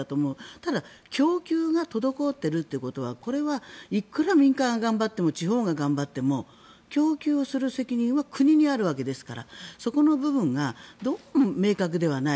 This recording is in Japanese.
ただ、供給が滞っているということはこれはいくら民間が頑張っても地方が頑張っても供給する責任は国にあるわけですからそこの部分がどうも明確ではない。